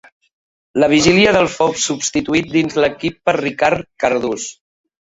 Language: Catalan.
La vigília del fou substituït dins l'equip per Ricard Cardús.